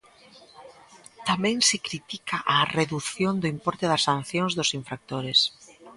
Tamén se critica a redución do importe da sancións dos infractores.